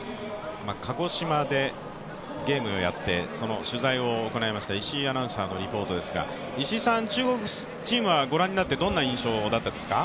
鹿児島でゲームをやって取材を行いました石井アナウンサーのリポートですが石井さん、中国チームはご覧になってどんな印象だったですか？